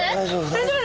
大丈夫。